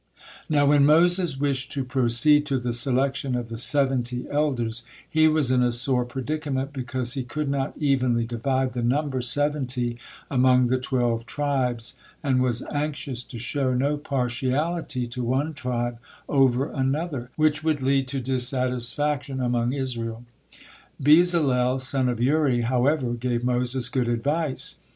Now when Moses wished to proceed to the selection of the seventy elders, he was in a sore predicament because he could not evenly divide the number seventy among the twelve tribes, and was anxious to show no partiality to one tribe over another, which would lead to dissatisfaction among Israel. Bezalel, son of Uri, however, gave Moses good advice.